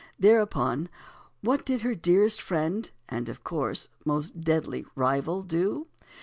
Thereupon, what did her dearest friend and (of course) most deadly rival do?